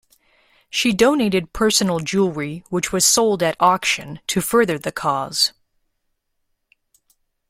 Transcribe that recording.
She donated personal jewelry which was sold at auction to further the cause.